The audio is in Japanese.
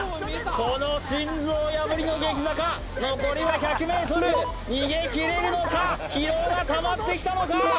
この心臓破りの激坂残りは１００ｍ逃げ切れるのか疲労がたまってきたのか？